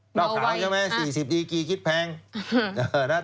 เหล้าขาวใช่ไหม๔๐ดีกรีคิดแพงเหล้าไหว